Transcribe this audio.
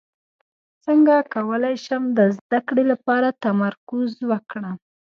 څنګه کولی شم د زده کړې لپاره تمرکز وکړم